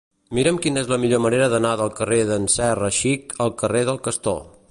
Mira'm quina és la millor manera d'anar del carrer d'en Serra Xic al carrer del Castor.